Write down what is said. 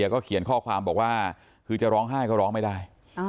ขอบความบอกว่าคือจะร้องไห้ก็ร้องไม่ได้